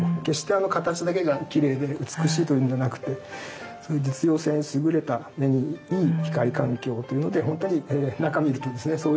決して形だけがきれいで美しいというんじゃなくてそういう実用性に優れた目にいい光環境というのでほんとに中見るとですね